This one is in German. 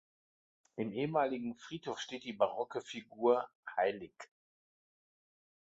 Im ehemaligen Friedhof steht die barocke Figur hl.